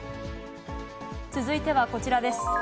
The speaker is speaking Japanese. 続いてはこちらです。